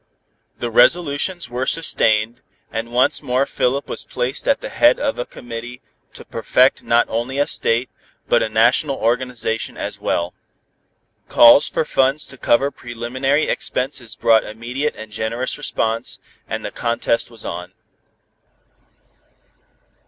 The resolutions were sustained, and once more Philip was placed at the head of a committee to perfect not only a state, but a national organization as well. Calls for funds to cover preliminary expenses brought immediate and generous response, and the contest was on.